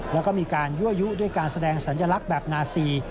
แล้วก็มีการยั่วยุด้วยการแสดงสัญลักษณ์แบบนาซี